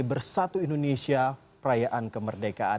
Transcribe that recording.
bersatu indonesia perayaan kemerdekaan